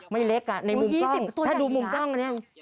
ไม่เล็กในมุมกล้องถ้าดูมุมกล้องนี่